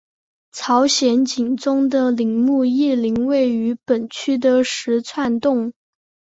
朝鲜景宗的陵墓懿陵位于本区的石串洞。